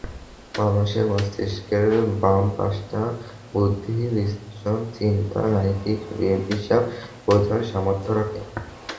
মানুষের মস্তিষ্কের বাম পাশটা যুক্তি, বিশ্লেষণ, চিন্তা, গাণিতিক হিসাব বোঝার সামর্থ্য রাখে।